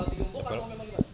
di gempok atau memang di luar